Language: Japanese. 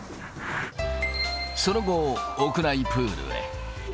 その後、屋内プールへ。